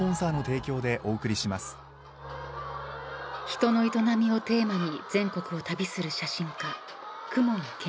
［人の営みをテーマに全国を旅する］